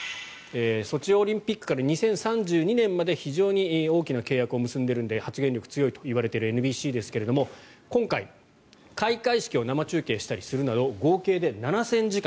ソチオリンピックから２０３２年まで非常に大きな契約を結んでいるので発言力が強いといわれているＮＢＣですが今回、開会式を生中継したりするなど合計で７０００時間。